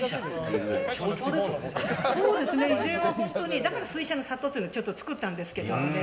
だから水車の里っていうのを作ったんですけどね。